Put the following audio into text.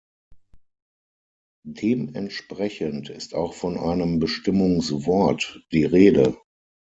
Dementsprechend ist auch von einem Bestimmungswort die Rede.